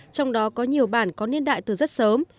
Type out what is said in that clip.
trong đó có nhiều bản có niên đại từ rất sớm